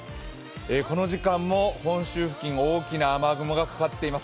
この時間も本州付近は大きな雨雲がかかっています。